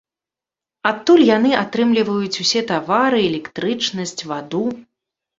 Адтуль яны атрымліваюць усе тавары, электрычнасць, ваду.